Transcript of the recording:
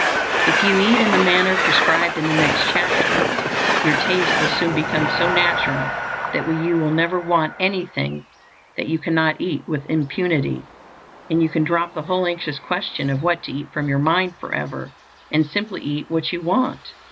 If you eat in the manner prescribed in the next chapter, your taste will soon become so natural that you will never WANT anything that you cannot eat with impunity; and you can drop the whole anxious question of what to eat from your mind forever, and simply eat what you want.